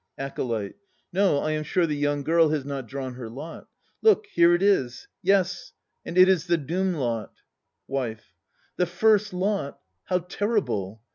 ACOLYTE. No, I am sure the young girl has not drawn her lot. Look, here it is. Yes, and it is the Doom lot! WIFE. The First Lot! How terrible!